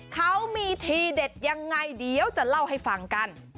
เขามีทีเด็ดยังไงเดี๋ยวจะเล่าให้ฟังกัน